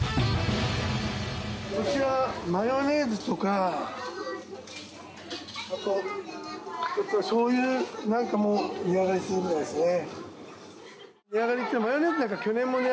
こちら、マヨネーズとかあと、こっちはしょうゆなんかも値上がりするみたいですね。